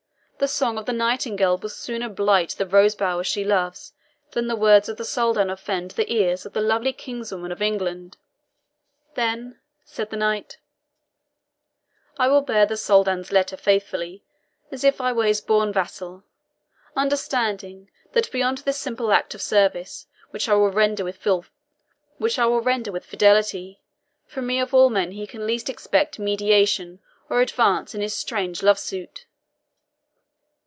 The song of the nightingale will sooner blight the rose bower she loves than will the words of the Soldan offend the ears of the lovely kinswoman of England." "Then," said the knight, "I will bear the Soldan's letter faithfully, as if I were his born vassal understanding, that beyond this simple act of service, which I will render with fidelity, from me of all men he can least expect mediation or advice in this his strange love suit."